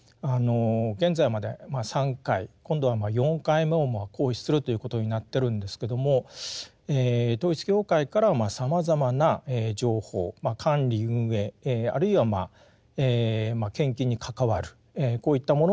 現在まで３回今度は４回目を行使するということになってるんですけども統一教会からはさまざまな情報管理運営あるいはまあ献金に関わるこういったものの情報を集め